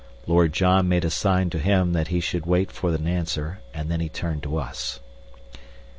Lord John made a sign to him that he should wait for an answer and then he turned to us.